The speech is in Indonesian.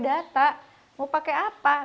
data mau pakai apa